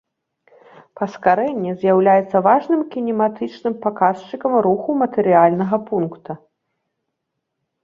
Паскарэнне з'яўляецца важным кінематычным паказчыкам руху матэрыяльнага пункта.